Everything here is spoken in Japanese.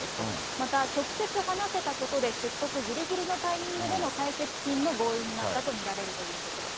また、直接話せたことで、出国ぎりぎりのタイミングでの解決金の合意になったと見られるということです。